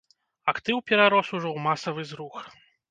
Актыў перарос ужо ў масавы зрух.